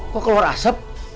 kok keluar asep